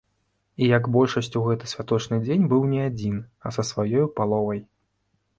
І як большасць у гэты святочны дзень быў не адзін, а са сваёю паловай.